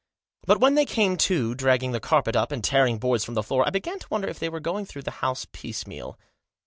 But when they came to dragging the carpet up, and tearing boards from the floor, I began to wonder if they were going through the house piecemeal.